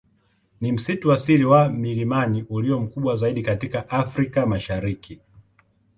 Ni msitu asili wa milimani ulio mkubwa zaidi katika Afrika Mashariki.